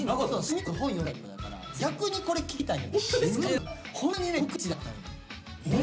隅っこで本読んでたタイプだから逆にこれ聞きたいよね。